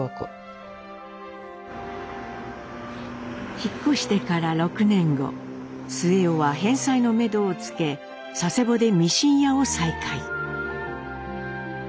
引っ越してから６年後末男は返済のめどをつけ佐世保でミシン屋を再開。